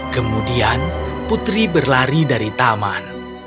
kemudian putri berlari dari taman